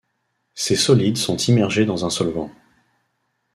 Ces solides sont immergés dans un solvant.